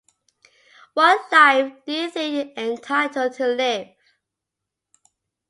What life do you think you're entitled to live?